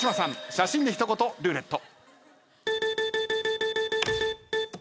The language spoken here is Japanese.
写真で一言ルーレット。